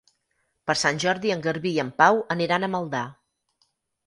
Per Sant Jordi en Garbí i en Pau aniran a Maldà.